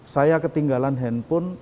saya ketinggalan handphone